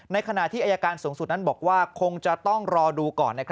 ในขณะที่อายการสูงสุดนั้นบอกว่าคงจะต้องรอดูก่อน